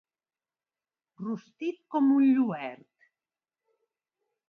Rostit com un lluert.